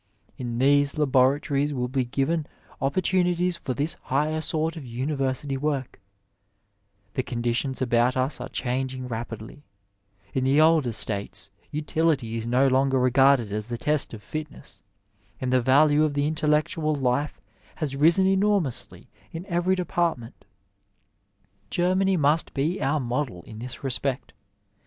In these laboratories will be given opportuni ties for this higher sort of university work; The conditions about us are changing rapidly : in the older states utility is no longer regarded as the test of fitness, and the value of the intellectual life has risen enormously in every depart ment. Germany must be our model in this respect.